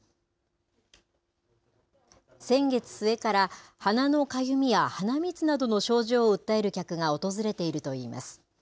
先月末から、鼻のかゆみや鼻水などの症状を訴える客が訪れているといいます。